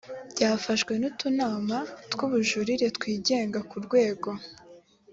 byafashwe n utunama tw ubujurire twigenga ku rwego